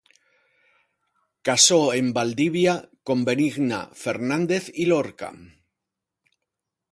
Casó en Valdivia con Benigna Fernández y Lorca.